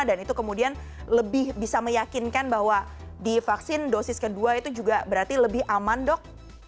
dan itu kemudian lebih bisa meyakinkan bahwa divaksin dosis kedua itu juga berarti lebih aman dok